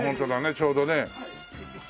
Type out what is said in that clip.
ちょうどね。